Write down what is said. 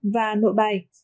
và nội bài